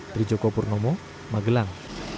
dari joko purnomo magelang